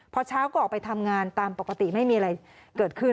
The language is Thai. พอเช้าก็ออกไปทำงานตามปกติไม่มีอะไรเกิดขึ้น